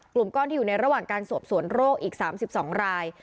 กลุ่มก้อนที่อยู่ในระหว่างการสอบสวนโรคอีก๓๒ราย